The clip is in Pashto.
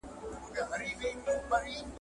بېځايه احساس د انساني ځېل